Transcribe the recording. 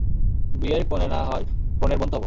বিয়ের কনে না হই কনের বোন তো হব।